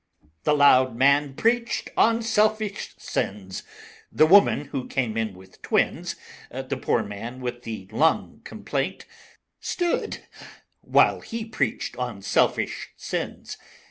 VI The Loud Man preached on selfish sins; The Woman Who Came in with Twins; The poor Man with the Lung Complaint, Stood, while he preached on selfish sins.